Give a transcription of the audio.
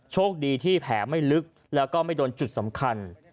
โชคดีที่แผลไม่ลึกแล้วก็ไม่โดนจุดสำคัญ